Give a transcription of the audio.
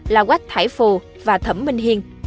là quách thải phù và thẩm minh hiên